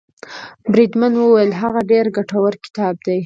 بریدمن وویل هغه ډېر ګټور کتاب دی.